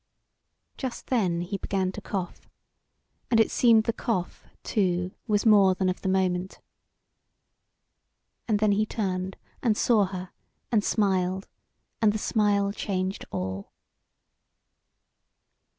Just then he began to cough, and it seemed the cough, too, was more than of the moment. And then he turned and saw her, and smiled, and the smile changed all.